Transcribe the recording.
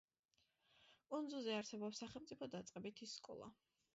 კუნძულზე არსებობს სახელმწიფო დაწყებითი სკოლა.